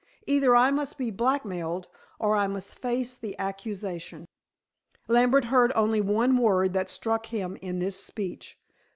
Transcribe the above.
Either I must be blackmailed, or I must face the accusation." Lambert heard only one word that struck him in this speech.